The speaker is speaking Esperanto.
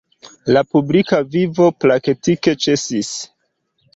La publika vivo praktike ĉesis.